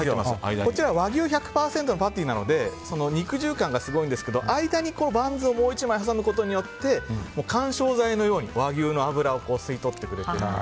和牛１００％のパティなので肉汁感がすごいんですけど間にバンズをもう１枚挟むことによって緩衝材のように、和牛の脂を吸い取ってくれるという。